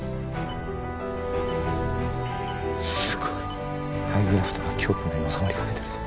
すごい肺グラフトが胸腔内に収まりかけてるぞ。